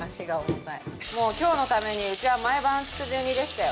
もう今日のためにうちは毎晩筑前煮でしたよ